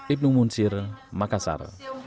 ibnu munsyir makassar